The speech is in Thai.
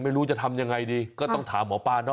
ไม่รู้จะทำยังไงดีก็ต้องถามหมอปลาเนาะ